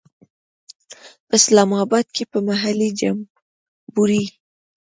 په اسلام آباد کې به محلي جمبوري.